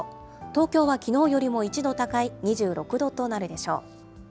東京はきのうよりも１度高い２６度となるでしょう。